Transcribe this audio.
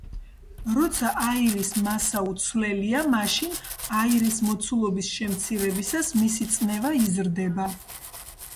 როცა აირის მასა უცვლელია მაშინ აირის მოცულობის შემცირებისას მისი წნევა იზრდება